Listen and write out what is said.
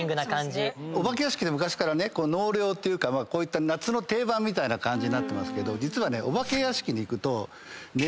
お化け屋敷って昔から納涼っていうか夏の定番みたいな感じになってますけど実はね。